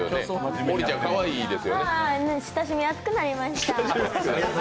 親しみやすくなりました。